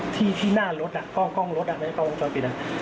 ที่หน้ารถกล้องจรปิดอ่ะ